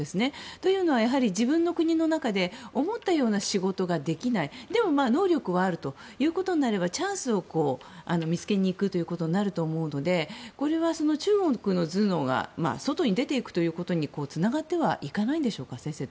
というのは、自分の国の中で思ったような仕事ができないでも、能力はあるということになればチャンスを見つけに行くということになると思うのでこれは中国の頭脳が外に出ていくことにつながっていかないんでしょうか。